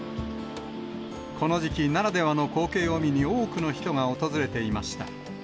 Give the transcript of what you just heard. この時期ならではの光景を見に、多くの人が訪れていました。